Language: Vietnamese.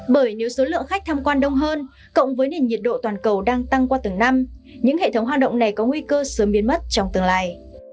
bởi nếu số lượng khách tham quan đông hơn cộng với nền nhiệt độ toàn cầu đang tăng qua từng năm những hệ thống hang động này có nguy cơ sớm biến mất trong tương lai